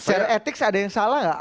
secara etik ada yang salah nggak